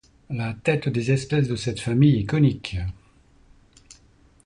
La tête des espèces de cette famille est cônique.